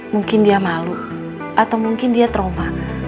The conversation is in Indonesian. mungkin dia malu atau mungkin dia trauma